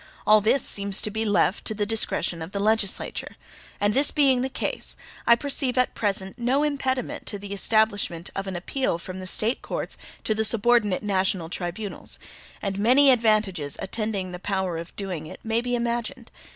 All this seems to be left to the discretion of the legislature. And this being the case, I perceive at present no impediment to the establishment of an appeal from the State courts to the subordinate national tribunals; and many advantages attending the power of doing it may be imagined.